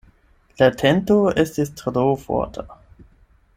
La tento estis tro forta.